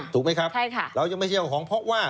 ถูกไหมครับเรายังไม่ใช่เจ้าของเพราะว่า